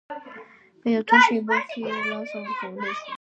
په یو څو شېبو کې یې له لاسه ورکولی شو.